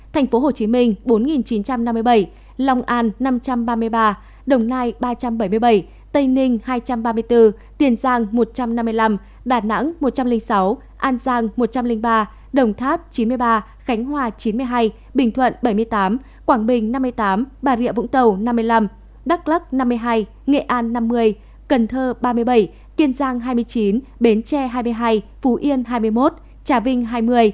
tp hcm bốn chín trăm năm mươi bảy lòng an năm trăm ba mươi ba đồng nai ba trăm bảy mươi bảy tây ninh hai trăm ba mươi bốn tiền giang một trăm năm mươi năm đà nẵng một trăm linh sáu an giang một trăm linh ba đồng tháp chín mươi ba khánh hòa chín mươi hai bình thuận bảy mươi tám quảng bình năm mươi tám bà rịa vũng tàu năm mươi năm đắk lắc năm mươi hai nghệ an năm mươi cần thơ ba mươi bảy tiền giang hai mươi chín bến tre hai mươi hai phú yên hai mươi một trà vinh hai mươi